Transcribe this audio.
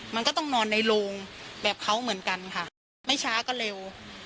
มันก็ต้องนอนในโรงแบบเขาเหมือนกันค่ะไม่ช้าก็เร็ว